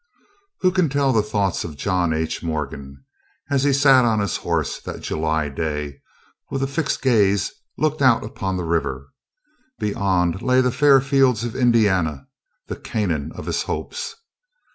Who can tell the thoughts of John H. Morgan, as he sat on his horse that July day, and with fixed gaze looked out upon the river. Beyond lay the fair fields of Indiana, the Canaan of his hopes.